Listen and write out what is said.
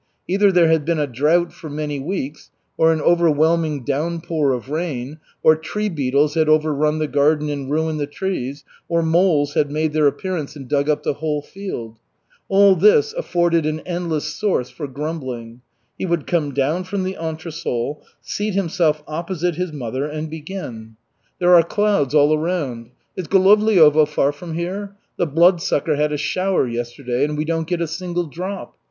Either there had been a drought for many weeks, or an overwhelming downpour of rain, or tree beetles had overrun the garden and ruined the trees, or moles had made their appearance and dug up the whole field. All this afforded an endless source for grumbling. He would come down from the entresol, seat himself opposite his mother and begin: "There are clouds all around. Is Golovliovo far from here? The Bloodsucker had a shower yesterday and we don't get a single drop.